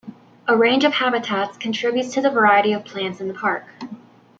A range of habitats contributes to the variety of plants in the park.